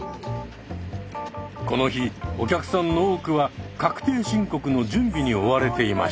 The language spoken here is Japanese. この日お客さんの多くは確定申告の準備に追われていました。